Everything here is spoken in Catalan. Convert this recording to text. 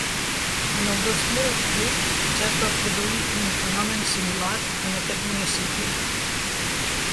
En el dos mil vuit ja es va produir un fenomen similar en aquest municipi.